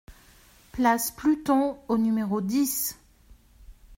Place Pluton au numéro dix